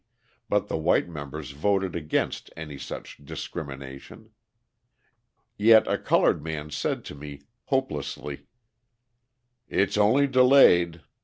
but the white members voted against any such discrimination. Yet a coloured man said to me hopelessly: "It's only delayed.